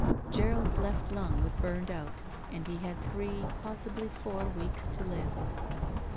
Gerald's left lung was burned out and he had three, possibly four, weeks to live.